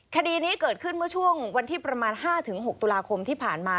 คดีนี้เกิดขึ้นเมื่อช่วงวันที่ประมาณ๕๖ตุลาคมที่ผ่านมา